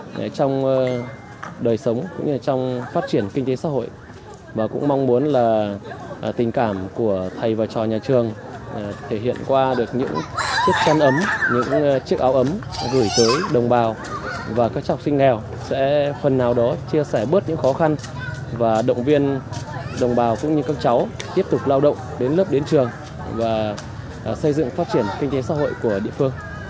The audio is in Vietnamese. chúng tôi cũng mong muốn trong đời sống cũng như trong phát triển kinh tế xã hội và cũng mong muốn là tình cảm của thầy và trò nhà trường thể hiện qua được những chiếc chân ấm những chiếc áo ấm gửi tới đồng bào và các trọc sinh nghèo sẽ phần nào đó chia sẻ bớt những khó khăn và động viên đồng bào cũng như các cháu tiếp tục lao động đến lớp đến trường và xây dựng phát triển kinh tế xã hội của địa phương